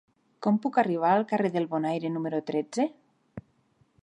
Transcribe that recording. Com puc arribar al carrer del Bonaire número tretze?